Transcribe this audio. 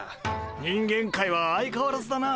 人間界は相変わらずだな。